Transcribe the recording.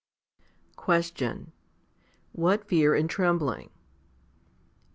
18. Question. What fear and trembling